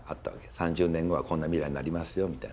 ３０年後はこんな未来になりますよみたいな。